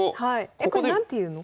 えこれ何ていうの？